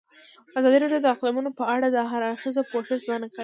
ازادي راډیو د اقلیتونه په اړه د هر اړخیز پوښښ ژمنه کړې.